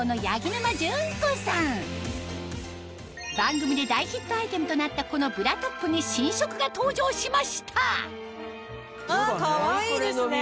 番組で大ヒットアイテムとなったこのブラトップに新色が登場しましたかわいいですね。